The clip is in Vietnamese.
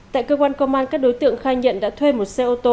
tại cơ quan công an các đối tượng khai nhận đã thuê một xe ô tô